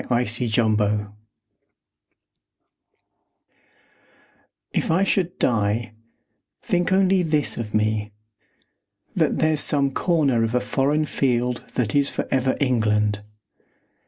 V. The Soldier If I should die, think only this of me: That there's some corner of a foreign field That is for ever England.